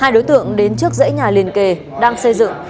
hai đối tượng đến trước dãy nhà liền kề đang xây dựng